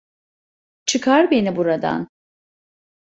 Çıkar beni buradan!